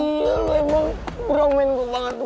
iya lu emang bromen gue banget tuh